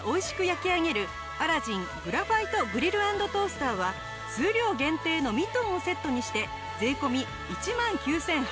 焼き上げるアラジングラファイトグリル＆トースターは数量限定のミトンをセットにして税込１万９８００円。